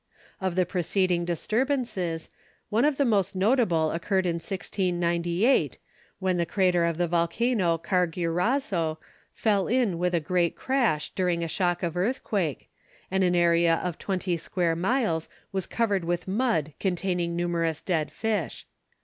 Of the preceding disturbances, one of the most notable occurred in 1698, when the crater of the volcano Carguirazo fell in with a great crash during a shock of earthquake, and an area of twenty square miles was covered with mud containing numerous dead fish.